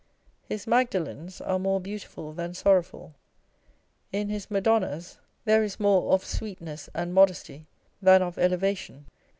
His Magdalens are more beautiful than sorrowful ; in his Madonnas there is more of sweetness and modesty than of elevation.